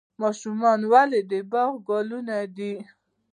ماشومان ولې د باغ ګلونه دي؟